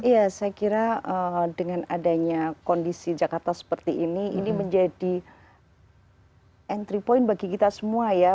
ya saya kira dengan adanya kondisi jakarta seperti ini ini menjadi entry point bagi kita semua ya